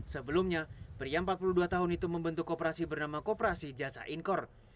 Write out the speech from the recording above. sebelumnya pria empat puluh dua tahun itu membentuk kooperasi bernama kooperasi jasa inkor